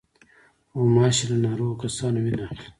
غوماشې له ناروغو کسانو وینه اخلي.